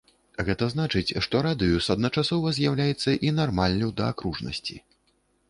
Гэта значыць, што радыус адначасова з'яўляецца і нармаллю да акружнасці.